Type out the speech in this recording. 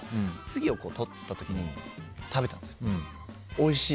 おいしい。